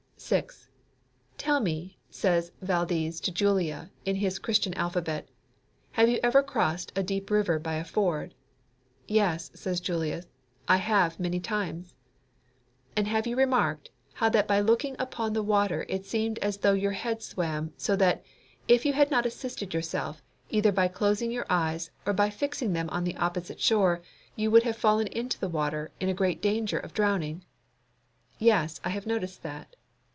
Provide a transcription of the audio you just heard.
6. "Tell me," says Valdes to Julia in his Christian Alphabet, "have you ever crossed a deep river by a ford?" "Yes," says Julia, "I have, many times." "And have you remarked how that by looking upon the water it seemed as though your head swam, so that, if you had not assisted yourself, either by closing your eyes, or by fixing them on the opposite shore, you would have fallen into the water in great danger of drowning?" "Yes, I have noticed that."